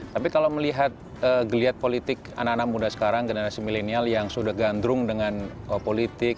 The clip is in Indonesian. tapi kalau melihat geliat politik anak anak muda sekarang generasi milenial yang sudah gandrung dengan politik